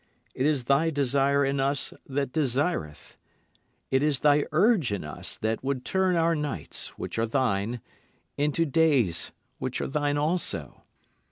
It is thy desire in us that desireth. It is thy urge in us that would turn our nights, which are thine, into days which are thine also.